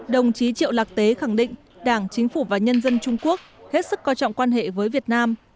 đồng chí triệu lạc tế khẳng định đảng chính phủ và nhân dân trung quốc hết sức coi trọng quan hệ với việt nam